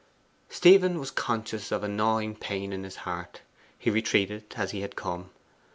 Stephen was conscious of a gnawing pain at his heart. He retreated as he had come.